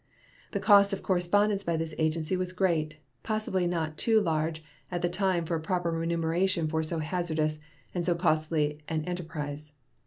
The cost of correspondence by this agency was great, possibly not too large at the time for a proper remuneration for so hazardous and so costly an enterprise.